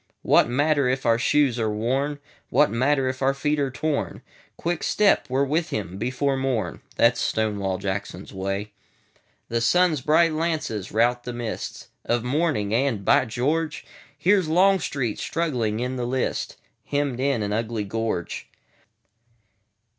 What matter if our shoes are worn? What matter if our feet are torn? Quick step! we 're with him before morn:That 's Stonewall Jackson's Way.The sun's bright lances rout the mistsOf morning; and—By George! Here 's Longstreet, struggling in the lists, Hemmed in an ugly gorge.